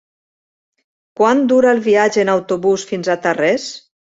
Quant dura el viatge en autobús fins a Tarrés?